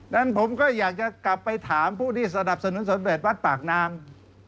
นั้นผมก็อยากจะกลับไปถามผู้ที่สนับสนุนสมเด็จวัดปากน้ำ